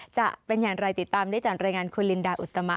จะเป็นอย่างไรติดตามได้จากรายงานคุณลินดาอุตมะ